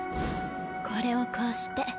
これをこうして。